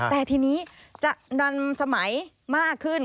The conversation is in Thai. แต่ทีนี้จะดันสมัยมากขึ้น